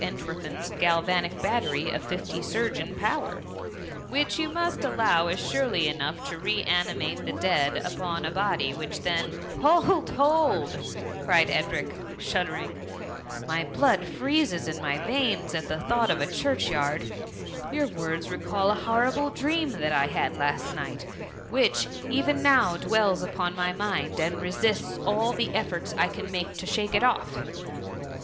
38 Eotwerfen's galvanic butt^y of fifty surgeon pow^, (which you niuat allow is surely enough to ro^animaie the dead,) upon 9k body which then '*^' Hold 1 bold P eried Edric, shuddering* ^* My hlood freezes in my veins, at the thought <^ a church yard : ^your words recall a horrible dream that I had last night, which^ even now^ dwells upon aiy mind, and resists all the efibrts I can make to shake it off.'